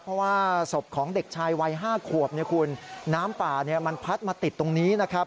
เพราะว่าศพของเด็กชายวัย๕ขวบน้ำป่ามันพัดมาติดตรงนี้นะครับ